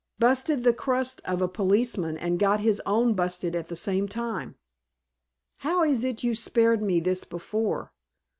"Busted the crust of a policeman and got his own busted at the same time." "How is it you spared me this before?"